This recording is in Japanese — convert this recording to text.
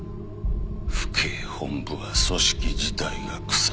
府警本部は組織自体が腐ってる。